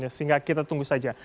sehingga kita tunggu saja